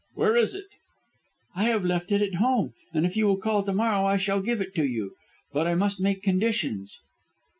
Where is it?" "I have left it at home, and if you will call to morrow I shall give it to you. But I must make conditions."